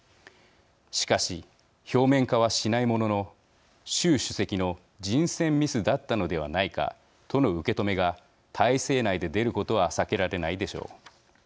しかし表面化はしないものの習主席の人選ミスだったのではないかとの受け止めが体制内で出ることは避けられないでしょう。